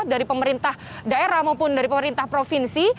dari pemerintah daerah maupun dari pemerintah provinsi